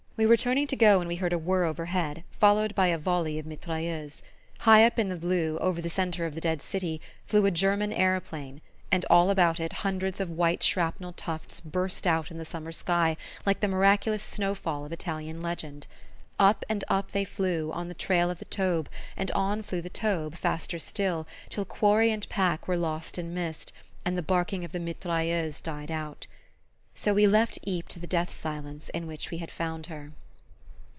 We were turning to go when we heard a whirr overhead, followed by a volley of mitrailleuse. High up in the blue, over the centre of the dead city, flew a German aeroplane; and all about it hundreds of white shrapnel tufts burst out in the summer sky like the miraculous snow fall of Italian legend. Up and up they flew, on the trail of the Taube, and on flew the Taube, faster still, till quarry and pack were lost in mist, and the barking of the mitrailleuse died out. So we left Ypres to the death silence in which we had found her.